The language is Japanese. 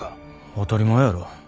当たり前やろ。